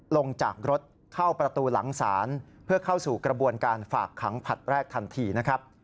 ลงจากรถเข้าประตูหลังศาลเพื่อเข้าสู่กระบวนการฝากขังผลัดแรกทันทีนะครับ